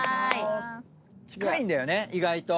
近いんだよね意外と。